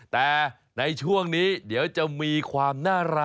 แต่ในช่วงนี้เดี๋ยวจะมีความน่ารัก